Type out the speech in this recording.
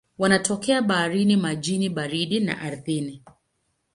Wanatokea baharini, majini baridi na ardhini.